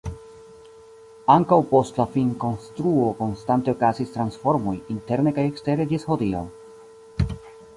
Ankaŭ post la finkonstruo konstante okazis transformoj interne kaj ekstere ĝis hodiaŭ.